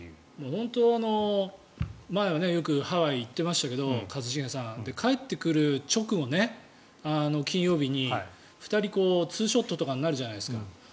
本当は前はよく一茂さんはハワイに行ってましたけど帰ってくる直後、金曜日に２人、ツーショットとかになるじゃないですか。